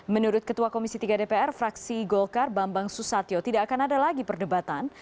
menurut ketua komisi tiga dpr fraksi golkar bambang susatyo tidak akan ada lagi perdebatan